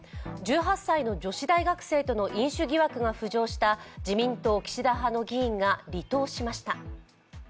１８歳の女子大学生との飲酒疑惑が浮上した自民党・岸田派の議員が離党しました。